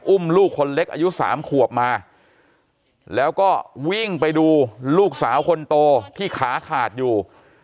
อุ้มลูกคนเล็กอายุ๓ขวบมาแล้วก็วิ่งไปดูลูกสาวคนโตที่ขาขาดอยู่